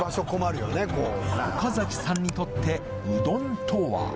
岡さんにとってうどんとは？